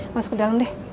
masuk ke dalam deh